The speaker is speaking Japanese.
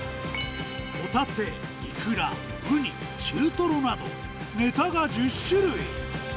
ホタテ、イクラ、ウニ、中トロなど、ネタが１０種類。